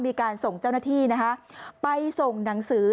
มีการส่งเจ้าหน้าที่นะคะไปส่งหนังสือ